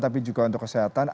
tapi juga untuk kesehatan